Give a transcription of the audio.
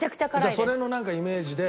じゃあそれのイメージで。